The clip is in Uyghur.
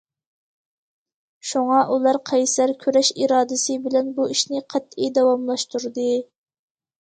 شۇڭا ئۇلار قەيسەر كۈرەش ئىرادىسى بىلەن بۇ ئىشنى قەتئىي داۋاملاشتۇردى.